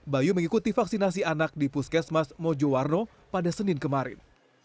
bayu mengikuti vaksinasi anak di puskesmas mojowarno pada senin kemarin